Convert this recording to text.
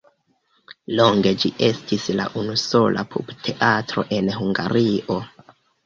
Longe ĝi estis la unusola pupteatro en Hungario.